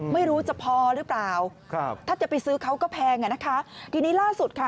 ไม่รู้จะพอหรือเปล่าครับถ้าจะไปซื้อเขาก็แพงอ่ะนะคะทีนี้ล่าสุดค่ะ